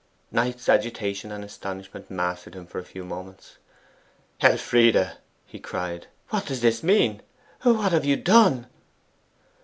Knight's agitation and astonishment mastered him for a few moments. 'Elfride!' he cried, 'what does this mean? What have you done?